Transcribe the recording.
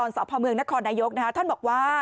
สุดยอดดีแล้วล่ะ